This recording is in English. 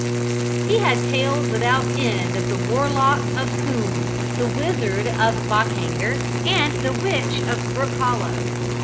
He had tales without end of the "Warlock of Coombe," the "Wizard of Bockhanger," and the "Witch of Brook Hollow."